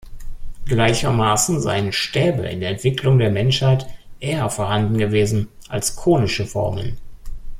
Gleichermaßen seien Stäbe in der Entwicklung der Menschheit eher vorhanden gewesen als konische Formen.